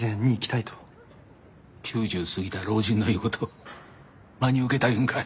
９０過ぎた老人の言うことを真に受けたいうんか！